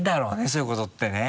そういうことってね。